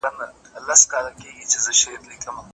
دا یو وصیت لرمه قبلوې یې او که نه